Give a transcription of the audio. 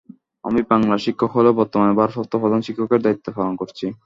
আমি বাংলার শিক্ষক হলেও বর্তমানে ভারপ্রাপ্ত প্রধান শিক্ষকের দায়িত্ব পালন করছি।